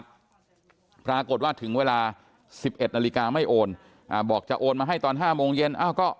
ตจนปรากฏว่าถึงเวลา๑๑นาฬิกาไม่โอนนางสาวบอกจะโอนมาให้ตอน๕โมงเย็น